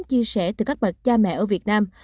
chia sẻ từ các bậc cha mẹ ở việt nam